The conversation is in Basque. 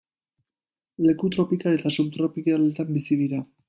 Leku tropikal eta subtropikaletan bizi dira.